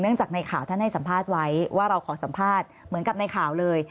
จากในข่าวท่านให้สัมภาษณ์ไว้ว่าเราขอสัมภาษณ์เหมือนกับในข่าวเลย